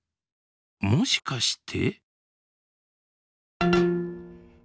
もしかして。